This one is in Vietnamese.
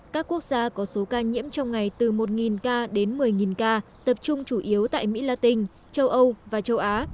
các quốc gia có số ca nhiễm trong ngày từ một ca đến một mươi ca tập trung chủ yếu tại mỹ latin châu âu và châu á